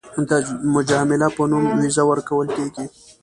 د مجامله په نوم ویزه ورکول کېږي.